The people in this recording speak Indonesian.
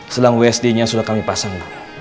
selang wsd nya sudah kami pasang